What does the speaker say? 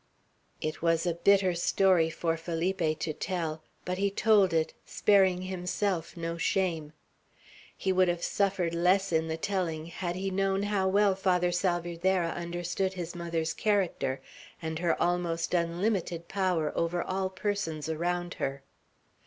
It was a bitter story for Felipe to tell; but he told it, sparing himself no shame. He would have suffered less in the telling, had he known how well Father Salvierderra understood his mother's character, and her almost unlimited power over all persons around her.